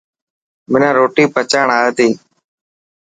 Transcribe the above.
منا روٽي پچائڻ اي تي.